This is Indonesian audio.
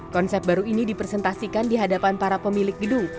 konsep baru ini dipresentasikan di hadapan para pemilik gedung